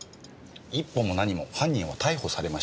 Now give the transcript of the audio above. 一歩も何も犯人は逮捕されました。